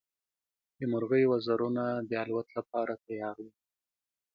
د مرغۍ وزرونه د الوت لپاره تیار وو.